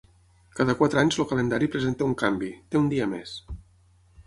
Cada quatre anys, el calendari presenta un canvi: té un dia més.